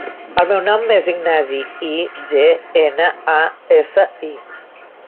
El meu nom és Ignasi: i, ge, ena, a, essa, i.